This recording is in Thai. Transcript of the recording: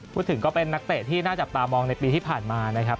พูดถึงก็เป็นนักเตะที่น่าจับตามองในปีที่ผ่านมานะครับ